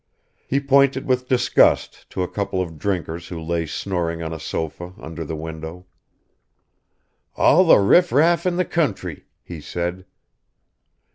He pointed with disgust to a couple of drinkers who lay snoring on a sofa under the window. "All the riff raff of the country!" he said.